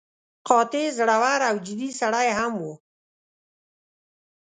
قاطع، زړور او جدي سړی هم و.